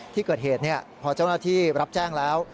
ที่เกิดเหตุพอเจ้าหน้าที่รับแจ้งแล้ว